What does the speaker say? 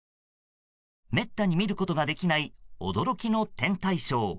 めったに見ることができない驚きの天体ショー。